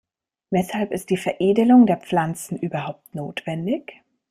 Weshalb ist die Veredelung der Pflanzen überhaupt notwendig?